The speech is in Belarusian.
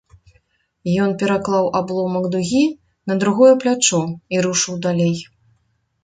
Ён пераклаў абломак дугі на другое плячо і рушыў далей.